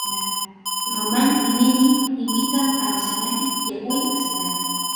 Roman y Minnie invitan a Rosemary y a Guy a cenar.